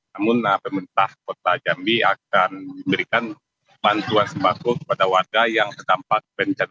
namun pemerintah kota jambi akan memberikan bantuan sembako kepada warga yang terdampak bencana